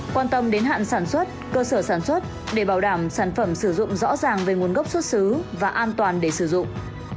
quan tâm đến hạn sản xuất cơ sở sản xuất để bảo đảm sản phẩm sử dụng rõ ràng về nguồn gốc xuất xứ và an toàn để sử dụng